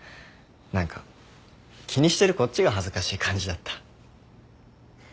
何か気にしてるこっちが恥ずかしい感じだった。